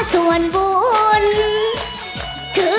โมโฮโมโฮโมโฮ